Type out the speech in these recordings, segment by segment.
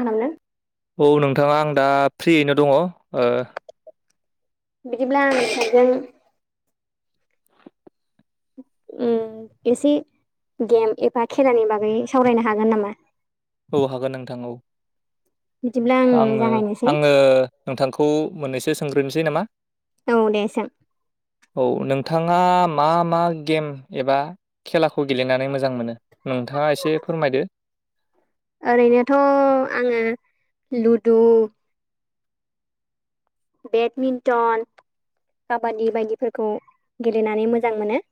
आननो औ नोंथाङा आं दा फ्रियैनो दङ बिदिब्ला आं नोंथांजों उ एसे गेम एबा खेलानि बागै सावरायनो हागोन नामा औ हागोन नोंथां औ बिदिब्ला आं आङो जागायनोसै आङो नोंथांखौ मोननैसो सोंग्रोनोसै नामा औ दे सों औ नोंथाङा मा मा गेम एबा खेलाखौ गेलेनानै मोजां मोनो नोंथाङा एसे फोरमायदो ओरैनोथ आङो लुदु बेडमिन्टन काबादि बायदिफोरखौ गेलेनानै मोजां मोनो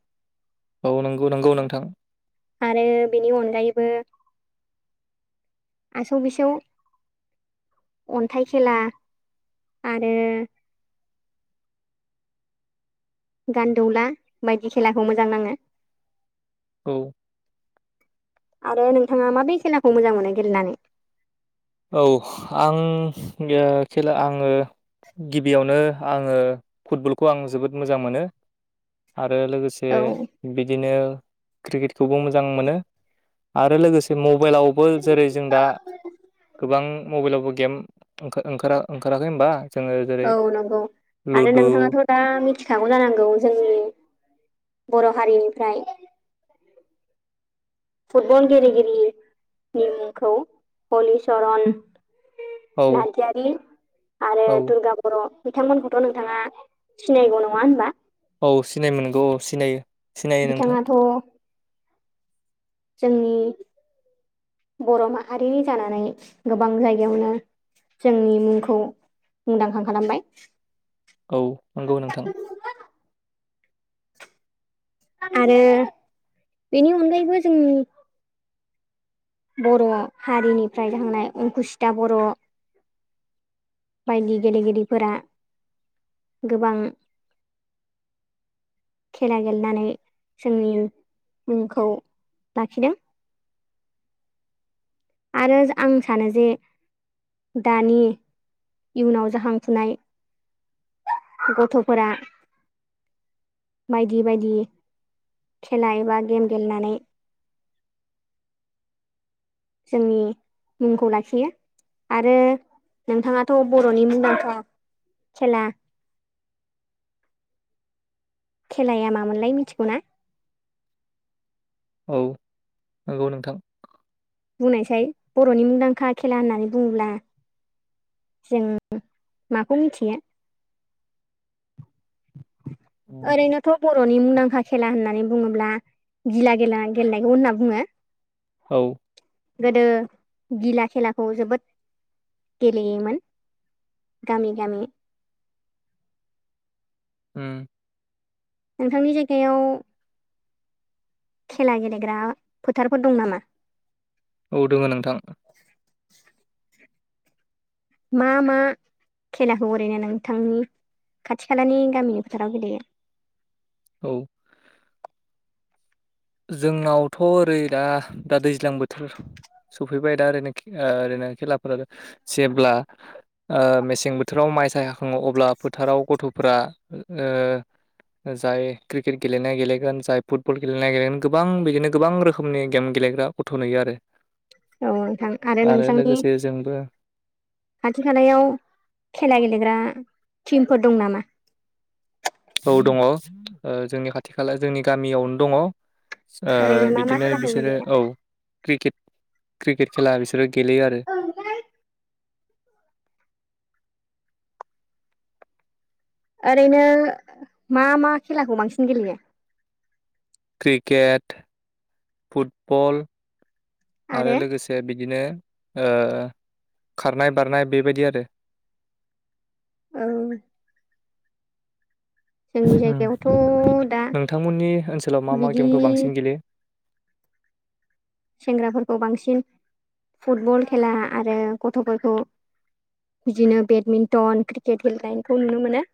औ नंगौ नंगौ नोंथां आरो बेनि अनगायैबो आसौ बिसौ अन्थाइ खेला आरो गान्दौला बायदि खेलाखौ मोजां नाङो औ आरो नोंथाङा माबे खेलाखौ मोजां मोनो गेलेनानै औ आं खेला आङो गिबियावनो आङो फुटबलखौ आं जोबोद मोजां मोनो आरो लोगोसे औ बिदिनो क्रिकेटखौबो मोजां मोनो आरो लोगोसे मब मबाइलावबो जेरै जों दा गोबां मबाइलावबो गेम ओंखार ओंखाराखै होमबा जोङो जेरै औ नंगौ आरो लुदु नोंथाङाथ' दा मिथिखागौ जानांगौ जोंनि [inaudible] बर' हारिनिफ्राय फुटबल गेलेगिरि नि मुंखौ हलिचरन औ नारजारि आरो औ दुर्गा बर' बिथांमोनखौथ' नोंथाङा सिनायगौ नङा होनबा औ सिनाय मोनगौ औ सिनायो सिनायो नोंथां बिथाङाथ' जोंनि बर' माहारिनि जानानै गोबां जायगायावनो जोंनि मुंखौ मुंदांखा खालामबाय औ नंगौ नोंथां आरो बेनि अनगायैबो जों बर' हारिनिफ्राय थांनाय अंकुसिथा बर' बायदि गेलेगिरिफोरा गोबां [inaudible] खेला गेलेनानै जोंनि मुंखौ लाखिदों आरो आं सानो जे दानि इयुनाव जाखांफुनाय गथ'फोरा बायदि बायदि खेला एबा गेम गेलेनानै [unintelligible] जोंनि मुंखौ लाखियो आरो नोंथाङाथ' बर'नि मुंदांखा खेला खेलाया मामोनलाय मिथिगौना? औ नंगौ नोंथां। बुंनायसाय बर'नि मुंदांखा खेला होननानै बुङोब्ला जों माखौ मिथियो। ओरैनोथ' बर'नि मुंदांखा खेला होननानै बुङोब्ला गिला खेला गेलेनायखौ होनना बुङो औ। गोदो गिला खेलाखौ जोबोद गेलेयोमोन। गामि गामि [inaudible] ओम नोंथांनि जायगायाव। खेला गेलेग्रा फोथारफोर दं नामा? औ दोङो नोंथां। मा मा? खेलाखौ ओरैनो नोंथांनि खाथि खालानि गामिनि फोथाराव गेलेयो? औ। जोंनावथ' ओरै दा दा दैज्लां बोथोर सफैबाय दा ओरैनो ओरैनो खेलाफोरा जेब्ला ओ मेसें बोथोराव। माइ साय हाखङो अब्ला फोथाराव गथ'फ्रा ओ। जाय क्रिकेट गेलेनाया गेलेगोन जाय फुटबल गेलेनाय गेलेगोन गोबां बिदिनो गोबां रोखोमनि गेम गेलेग्रा गथ' नुयो आरो औ नोंथां आरो नोंथांनि लोगोसे जोंबो खाथि खालायाव खेला गेलेग्रा टिमफोर दं नामा? औ दङ जोंनि खाथि खाला जोंनि गामियावनो दङ‌। ओरैनो मा मा बिदिनो खेलाखौ बिसोरो गेलेयो औ क्रिकेट क्रिकेट खेला बिसोरबो गेलेयो आरो ओरैनो मा मा खेलाखौ बांसिन गेलेयो। क्रिकेट फुटबल आरो लोगोसे बिदि बिदिनो खारनाय बारनाय बेबायदि आरो। औ। जोंनि जायगायावथ' दा नोंथांमोननि ओनसोलाव मा मा बिदि गेमखौ बांसिन गेलेयो। सेंग्राफोरखौ बांसिन फुटबल खेला आरो गथ'फोरखौ बिदिनो बेडमिन्टन क्रिकेट गेलेनायखौ नुनो मोनो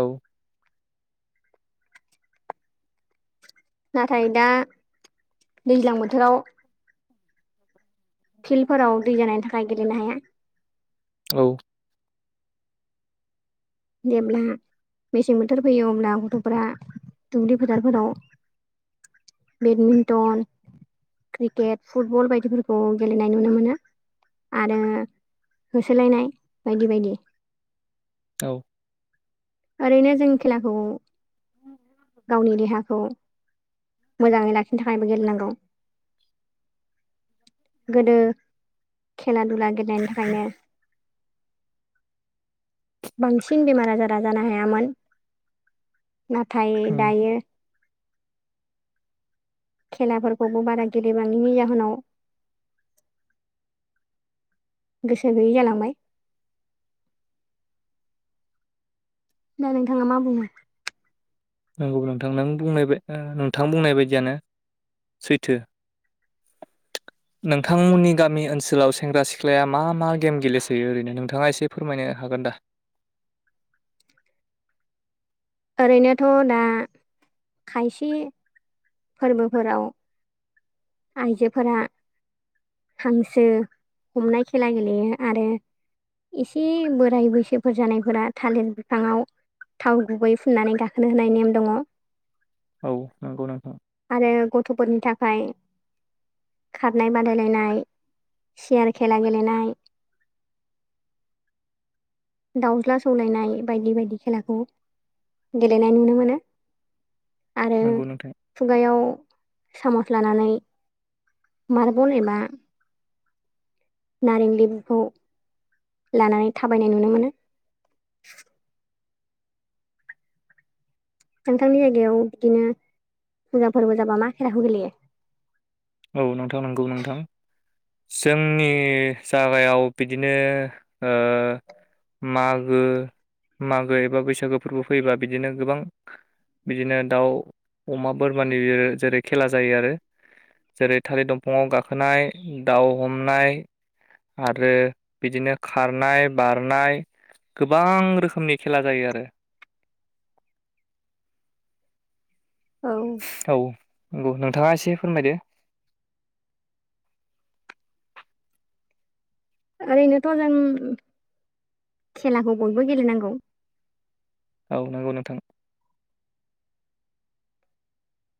औ। नाथाय दा दैज्लां बोथोराव फिल्डफोराव दै जानायनि थाखाय गेलेनो हाया। औ। [unintelligible] मेसें बोथोर फैयो अब्ला गथ'फोरा दुब्लि फोथारफोराव बेडमिन्टन क्रिकेट फुटबल बायदिफोरखौ गेलेनाय नुनो मोनो आरो होसोलायनाय बायदि बायदि औ ओरैनो जों खेलाखौ गावनि देहाखौ मोजाङै लाखिनो थाखायबो गेलेनांगौ। गोदो खेला दुला गेलेनायनि थाखायनो। [inaudible] बांसिन बेमार आजारा जानो हायामोन नाथाय उम दायो खेलाफोरखौबो बारा गेलेबांनि जाहोनाव गोसो गैयै जालांबाय दा नोंथाङा मा बुङो नंगौ नोंथां बुंनाय नोंथां बुंनाय बायदियानो सैथो नोंथांमोननि गामि ओनसोलाव सेंग्रा सिख्लाया मा मा गेम गेलेसयो ओरैनो नोंथाङा एसे फोरमायनो हाग गोनदा ओरैनोथ दा खायसे फोरबोफोराव आइजोफोरा हांसो हमनाय खेला गेलेयो आरो एसे बोराय बैसोफोर जानायफोरा थालिर बिफांङाव थाव गुबै फुननानै गाखोनो होनाय नेम दङ औ नंगौ नोंथां आरो गथ'फोरनि थाखाय खारनाय बादायलायनाय सगयार खेला गेलेनाय दाउज्ला सौलायनाय बायदि बायदि खेलाखौ गेलेनाय नुनो मोनो आरो नंगौ नोंथां खुगायाव सामस लानानै मार्बल एबा नारें लेबुखौ लानानै थाबायनाय नुनो मोनो नोंथांमोननिथिं जायगायाव बिदिनो मोजां फोरबो जाबा मा खेलाखौ गेलेयो औ नोंथां नंगौ नोंथां जोंनि जागायाव बिदिनो मागो मागो एबा बैसागो फोरबो फैयोब्लाा बिदिनो गोबां बिदिनो दाउ अमा बोरमानि जेरै खेला जायो आरो जेरै थालिर दंफाङाव गाखोनाय दाउ हमनाय आरो बिदिनो खारनाय बारनाय गोबां रोखोमनि खेला जायो आरो [inaudible] औ औ नंगौ नोंथाङा एसे फोरमायदो ओरै नोथ' जों खेलाखौ बयबो गेलेनांगौ औ नंगौ नोंथां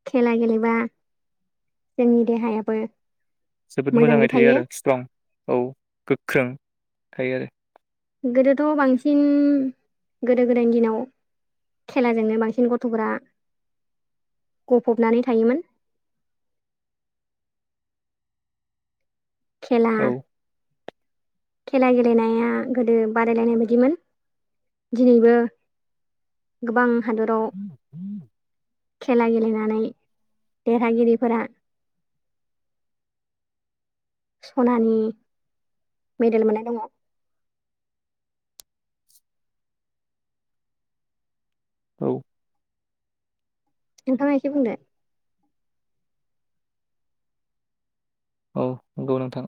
खेला गेलेबा जोंनि देहायाबो जोबोद मोजाङै थायो आरो स्ट्रं औ गोख्रों थायो आरो गोदोथ' बांसिन गोदो गोदायनि दिनाव खेलाजोंनो बांसिन गथ'फोरा गफबनानै थायोमोन [inaudible] खेला औ खेला गेलेनाया गोदो बादायलायनाय बायदिमोन दिनैबो गोबां हादराव उ उम खेला गेलेनानै देरहागिरिफोरा सनानि मेडेल मोननाय दङ औ नोंथाङा एसे बुंद औ नंगौ नोंथां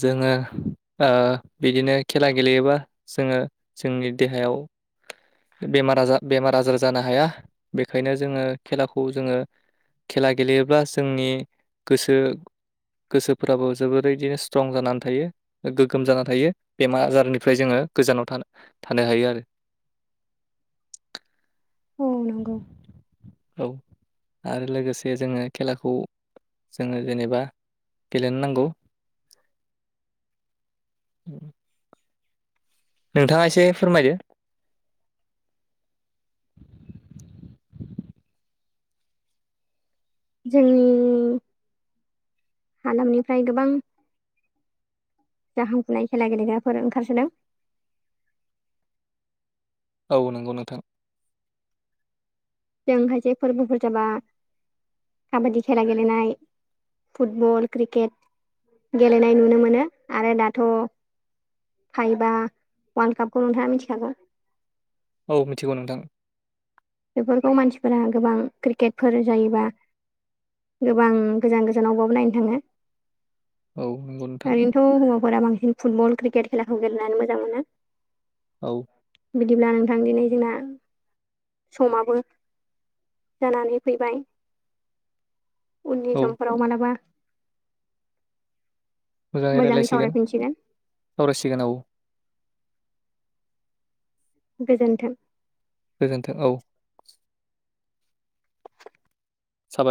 जोङो बिदिनो खेला गेलेयोबा जोङो जोंनि देहायाव [inaudible] बेमार आजार बेमार आजार जानो हाया बेखायनो जोङो खेलाखौ जोङो खेला गेलेयोब्ला जोंनि गोसो गोसोफ्राबो जोबोरैदिनो स्ट्रं जानानै थायो गोग्गोम जानानै थायो बेमार आजारनिफ्राय जोङो गोजानाव थानाय थानो हायो आरो [inaudible] औ नंगौ औ आरो लोगोसे जोङो खेलाखौ जोङो जेनेबा गेलेनो नांगौ औ नोंथाङा एसे फोरमायदो जोंनि हालामनिफ्राय गोबां जाखांफुनाय खेला गेलेग्राफोर ओंखारसोदों औ नंगौ नोंथां। जोंखायसेे फोरबोफोर जाबा काबादि खेला गेलेनाय फुटबल क्रिकेट गेलेनाय नुनो मोनो आरो दाथ' फिफा वालर कापखौ नुथाङा मिथिखागौ औ मिथिगौ नोंथां बेफोरखौ मानसिफोरा गोबां क्रिकेटफोर जायोबा गोबां गोजान गोजानावबाबो नायनो थाङो औ नंगौ नोंथां गोफोरा बांसिन फुटबल क्रिकेट खेलाखौ गेलेनानै मोजां मोनो औ बिदिब्ला नोंथां दिनै जोंना समाबो जानानै फैबाय उननि औ समफोराव मालाबा मोजाङै रायज्लायसिगोन सावरायसिगोन आ गोजोन्थों गोजोन्थों औ साबायखर।